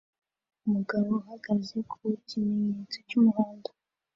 Umugabo uhagaze ku kimenyetso cy'umuhondo